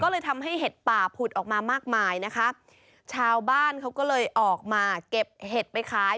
ก็เลยทำให้เห็ดป่าผุดออกมามากมายนะคะชาวบ้านเขาก็เลยออกมาเก็บเห็ดไปขาย